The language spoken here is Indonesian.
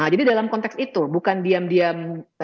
jadi dalam konteks itu bukan diam diam